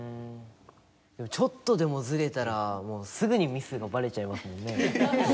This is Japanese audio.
でもちょっとでもずれたらもうすぐにミスがバレちゃいますもんね。